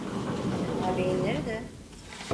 Ağabeyin nerede?